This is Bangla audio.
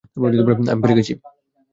আমি পেরে গেছি!